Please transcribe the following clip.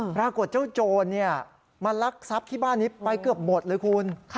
ปรากฏเจ้าโจรมาลักทรัพย์ที่บ้านนี้ไปเกือบหมดเลยคุณ